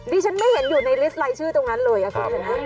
ดิฉันไม่เห็นอยู่ในลิสต์ลายชื่อตรงนั้นเลยคุณชนะ